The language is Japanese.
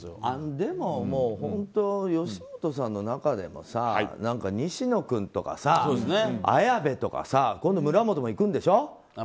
でも、吉本さんの中でも西野君とか綾部とかさ今度村本も行くんでしょ。